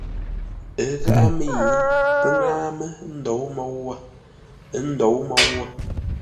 Ə́ gháʼá mə́i pə́ ŋáa mə́ ndǒu môu wə̂, ə́ ndǒu môu wə̂.